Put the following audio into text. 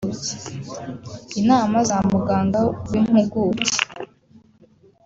inama za muganga w’impuguke